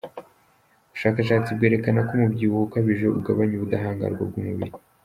Ubushakashatsi bwerekana ko umubyibuho ukabije ugabanya ubudahangarwa bw’umubiri.